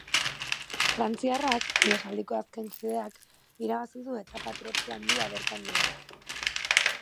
Frantziarrak, ihesaldiko azken kideak, irabazi du etapa tropel handia bertan duela.